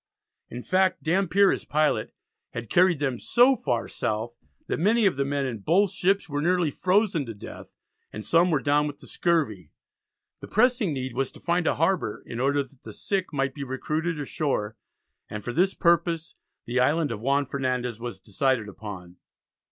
In fact Dampier as pilot had carried them so far south that many of the men in both ships were nearly frozen to death, and some were down with the scurvy. The pressing need was to find a harbour in order that the sick might be recruited ashore, and for this purpose the Island of Juan Fernandez was decided upon.